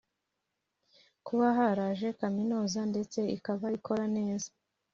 kuba haraje kaminuza ndetse ikaba ikora neza